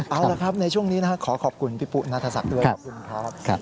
เอาละครับในช่วงนี้ขอขอบคุณพี่ปุ๊ณศักดิ์เตือน